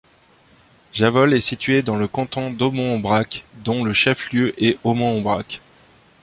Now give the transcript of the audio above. Javols est situé dans le canton d'Aumont-Aubrac, dont le chef-lieu est Aumont-Aubrac.